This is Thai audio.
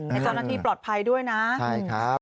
ให้เจ้าหน้าที่ปลอดภัยด้วยนะ